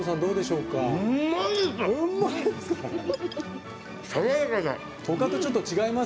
うまいです！